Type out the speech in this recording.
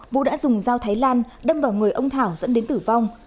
vũ đã dùng dao thái lan đâm vào người ông thảo dẫn đến tử vong